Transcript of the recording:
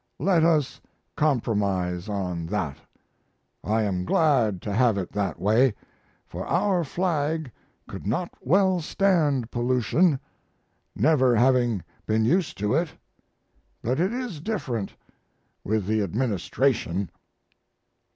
Let us compromise on that. I am glad to have it that way. For our flag could not well stand pollution, never having been used to it, but it is different with the administration.